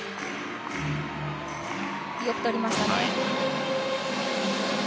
よくとりましたね。